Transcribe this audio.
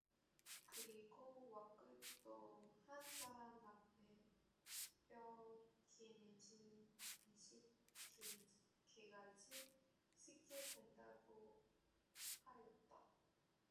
그리고 와꾸도 한 사람 앞에 십여 개 내지 이십 개까지 쓰게 된다고 하였다.